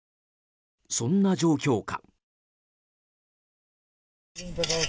そんな状況下。